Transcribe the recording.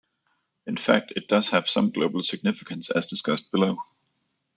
In fact, it does have some global significance, as discussed below.